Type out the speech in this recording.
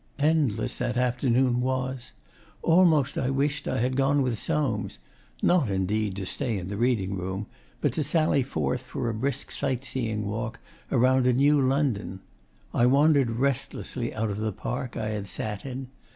Endless that afternoon was. Almost I wished I had gone with Soames not indeed to stay in the reading room, but to sally forth for a brisk sight seeing walk around a new London. I wandered restlessly out of the Park I had sat in.